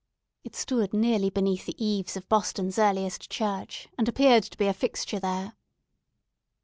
It stood nearly beneath the eaves of Boston's earliest church, and appeared to be a fixture there.